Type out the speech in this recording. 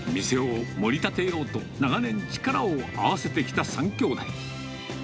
店をもり立てようと、長年、力を合わせてきた３兄弟。